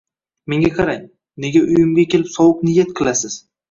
Menga qarang, nega uyimga kelib sovuq niyat qilasiz